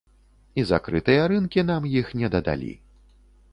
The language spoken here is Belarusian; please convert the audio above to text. І закрытыя рынкі нам іх не дадалі.